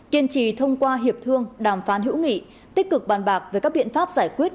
kiên trì thông qua hiệp thương đàm phán hữu nghị tích cực bàn bạc về các biện pháp giải quyết